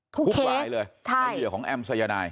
ทุกเคสให้เหยื่อของแอมใจยนาย